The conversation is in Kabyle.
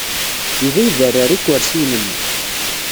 Yuba iderrer ikersiyen-nni.